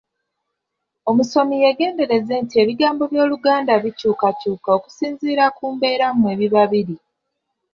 Omusomi yeegendereze nti ebigambo by’Oluganda bikyukakyuka okusinziira ku mbeera mwe biba biri.